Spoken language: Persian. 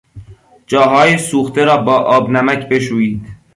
جاهای سوخته را با آب نمک بشویید.